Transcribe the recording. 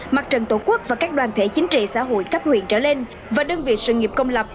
mặt trận tổ quốc và các đoàn thể chính trị xã hội cấp huyện trở lên và đơn vị sự nghiệp công lập